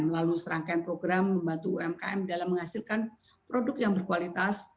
melalui serangkaian program membantu umkm dalam menghasilkan produk yang berkualitas